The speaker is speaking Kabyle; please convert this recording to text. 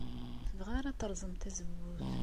Ur tebɣi ara ad terẓem tazewwut.